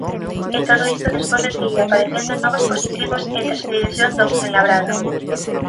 E todo isto despois de seguir aparecendo novos positivos entre a expedición do Fuenlabrada.